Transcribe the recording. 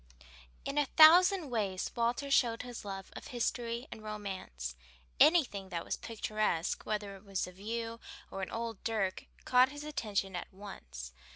In a thousand ways Walter showed his love of history and romance. Anything that was picturesque, whether it was a view or an old dirk, caught his attention at once.